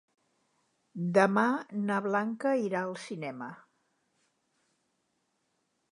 Demà na Blanca irà al cinema.